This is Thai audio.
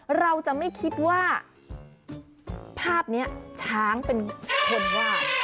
เราจะไม่คิดว่าภาพนี้ช้างเป็นคนวาด